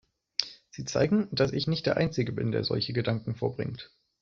Sie zeigen, dass ich nicht der Einzige bin, der solche Gedanken vorbringt.